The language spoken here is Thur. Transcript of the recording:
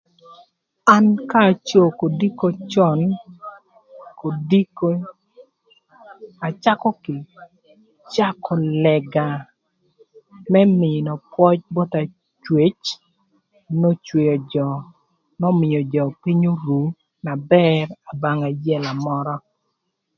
An ka acoo kodiko cön kodiko acakö kï cakö lëga më mïïnö pwöc both acwec n'ocweo jö n'ömïö jö pïny oru na bër abangë ayela mörö